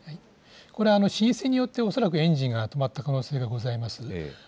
これ、浸水によって恐らく、エンジンが止まった可能性がございます。